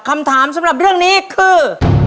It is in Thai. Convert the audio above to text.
คำถามสำหรับเรื่องนี้คือ